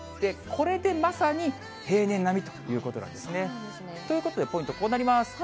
これでまさに平年並みということなんですね。ということでポイント、こうなります。